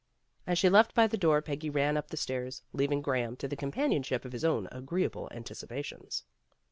As she left by the door, Peggy ran up the stairs, leaving Graham to the companion ship of his own agreeable anticipations.